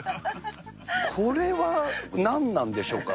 これはなんなんでしょうか。